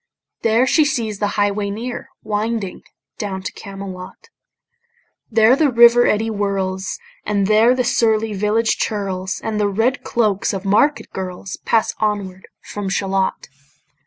There she sees the highway near Winding down to Camelot: There the river eddy whirls, And there the surly village churls, And the red cloaks of market girls, Pass onward from Shalott.